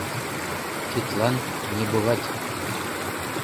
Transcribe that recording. Тидлан — не бывать!